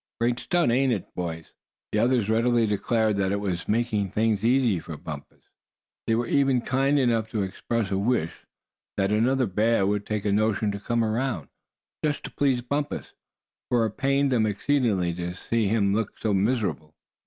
Great stunt, ain't it boys?" The others readily declared that it was making things easy for Bumpus. They were even kind enough to express a wish that another bear would take a notion to come around, just to please Bumpus, for it pained them exceedingly to see him looking so miserable.